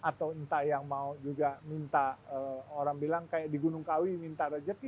atau entah yang mau juga minta orang bilang kayak di gunung kawi minta rejeki